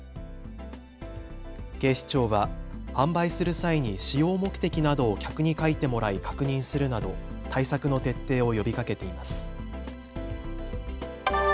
警視庁は販売する際に使用目的などを客に書いてもらい確認するなど対策の徹底を呼びかけています。